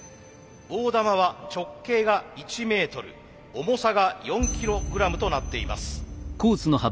大玉は直径が１ｍ重さが４ｋｇとなっています。